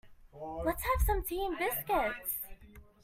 Let's have some tea and biscuits.